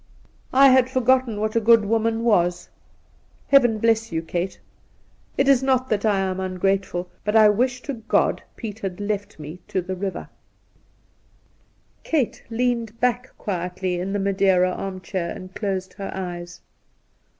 ' I had forgotten what a good woman was. Heaven bless you, Eate ! It is not that I am ungrateful, but I wish to Grod Piet had left me to the river.' 126 Induna Nairn Kate leaned back quietly in the Madeira arm chair, and closed her eyes.